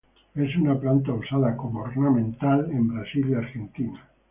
Es una planta usada como planta ornamental en Brasil y Argentina.